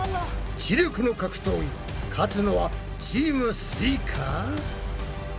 知力の格闘技勝つのはチームすイか？